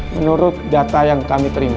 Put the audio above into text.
menurut data yang kami terima